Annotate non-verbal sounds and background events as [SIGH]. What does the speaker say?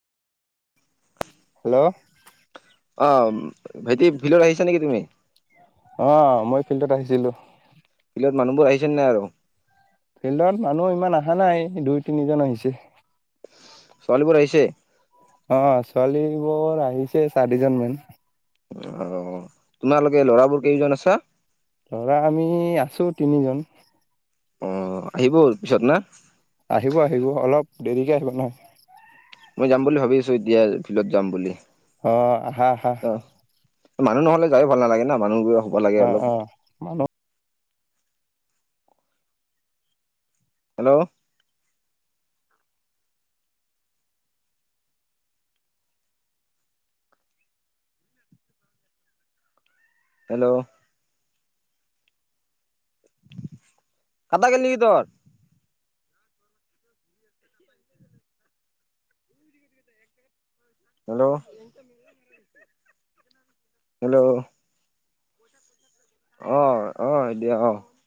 Hello, অ, ভাইটি ফিল্ডত আহিছা নেকি তুমি? অ, মই ফিল্ডত আহিছিলোঁ। ফিল্ডত মানুহবোৰ আহিছেনে নাই আৰু? ফিল্ডত মানুহ ইমান আহা নাই দুই, তিনিজন আহিছে। ছোৱালীবোৰ আহিছে? অ, ছোৱালীবোৰ আহিছে চাৰিজন মান। অ, তোমালোকে ল'ৰাবোৰ কেইজন আছা? ল'ৰা আমি আছো তিনিজন। অ, আহিব পিছত না? আহিব -আহিব অলপ দেৰিকে আহিব নহয়। মই যাম বুলি ভাবি আছো এতিয়া ফিল্ডত যাম বুলি। অ, আহা-আহা। অ, মানুহ নহ'লে যাইও ভাল নালাগে না মানুহ গৈ অ', অ', মান হেল্ল', হেল্ল', কাটা গেল নিকি তৰ? [INAUDIBLE] হেল্ল', হেল্ল', অ', অ', হয় দিয়া অ,